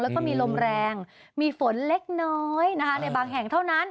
แล้วก็มีลมแรงมีฝนเล็กน้อยนะคะในบางแห่งเท่านั้น